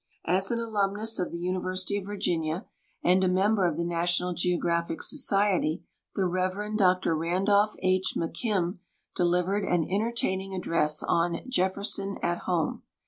As an alumnus of the Universit}' of Virginia and a member of the National Geographic Society, the Rev. Dr Randolph H. IMcKim delivered an entertaining address on " Jefferson at Home."